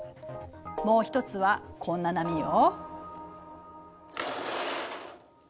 もう一つはこんな波よ。